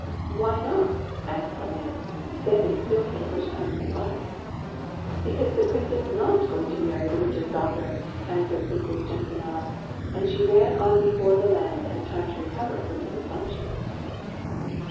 " Why not ?" asked the lamb, standing still for the first time in his life. *' Because the Prince is nof going to marry the Witch's daughter," answered Princess Gen tianella ; and she ran on before the lamb had time to recover from his astonishment.